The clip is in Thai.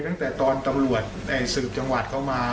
ตั้งแต่ตอนตำรวจสืบจังหวัดเขามา